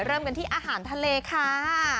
เริ่มกันที่อาหารทะเลค่ะ